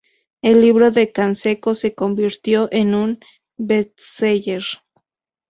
El libro de Canseco se convirtió en un "bestseller".